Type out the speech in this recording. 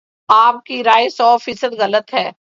آپ کی رائے سو فیصد غلط ہے